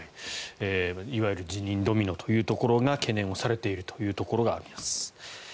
いわゆる辞任ドミノというところが懸念をされているというところがあります。